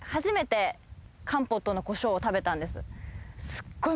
すっごい